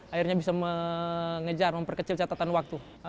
akhirnya bisa mengejar memperkecil catatan waktu